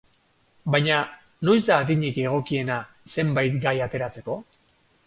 Baina, noiz da adinik egokiena zenbait gai ateratzeko?